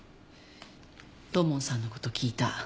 土門さんの事聞いた。